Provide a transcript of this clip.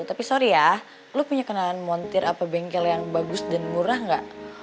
tapi sorry ya lo punya kenalan montir apa bengkel yang bagus dan murah gak